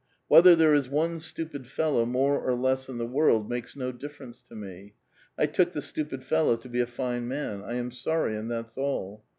Whether there is one stupid fellow, more or less, in the world makes no ditFerence to me. I took the stupid fellow to be a line man ; I am sorry, and that's all.